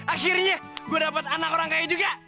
akhirnya gua dapet anak orang kaya juga